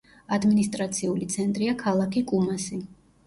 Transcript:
ადმინისტრაციული ცენტრია ქალაქი კუმასი.